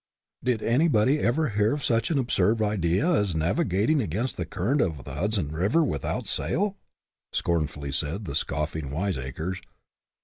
" Did anybody ever hear of such an absurd idea as navigating WORLD OWES TO DREAMERS 67 against the current of the Hudson River with out sail ?" scornfully said the scoffing wiseacres.